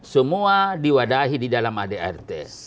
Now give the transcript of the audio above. semua diwadahi di dalam adrt